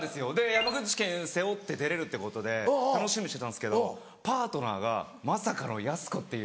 山口県背負って出れるってことで楽しみにしてたんですけどパートナーがまさかのやす子っていう。